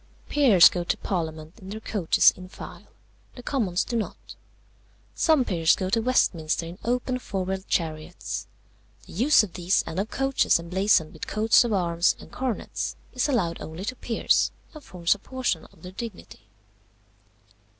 "Peers go to parliament in their coaches in file; the Commons do not. Some peers go to Westminster in open four wheeled chariots. The use of these and of coaches emblazoned with coats of arms and coronets is allowed only to peers, and forms a portion of their dignity.